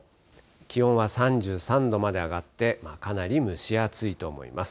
気温は３３度まで上がって、かなり蒸し暑いと思います。